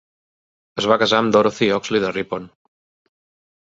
Es va casar amb Dorothy Oxley de Ripon.